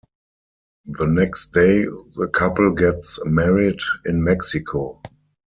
The next day, the couple gets married in Mexico.